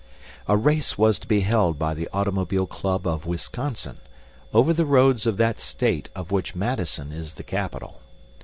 A race was to be held by the automobile Club of Wisconsin, over the roads of that state of which Madison is the capital.